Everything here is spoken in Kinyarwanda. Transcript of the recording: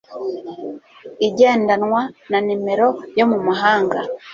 igendanwa na nimero yo mu mahanga